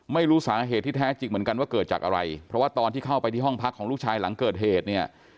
ไม่รู้สาเหตุที่แท้จริงเหมือนกันว่าเกิดจากอะไรเพราะว่าตอนที่เข้าไปที่ห้องพักของลูกชายหลังเกิดเหตุเนี่ย